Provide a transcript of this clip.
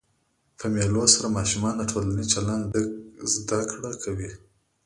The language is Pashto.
په مېلو سره ماشومان د ټولنیز چلند زده کړه کوي.